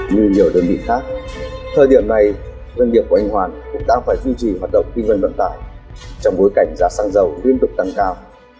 như nhiều đơn vị khác thời điểm này doanh nghiệp của anh hoàn cũng đang phải duy trì hoạt động kinh doanh vận tải trong bối cảnh giá xăng dầu liên tục tăng cao